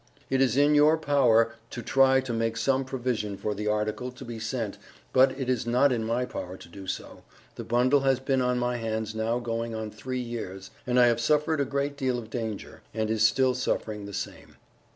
it is in your power to try to make some provision for the article to be sent but it is not in my power to do so, the bundle has been on my hands now going on 3 years, and I have suffered a great deal of danger, and is still suffering the same.